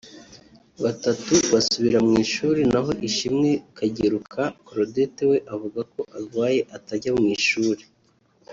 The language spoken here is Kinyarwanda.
batatu basubira mu ishuri naho Ishimwe Kageruka Claudette we avuga ko arwaye atajya mu ishuri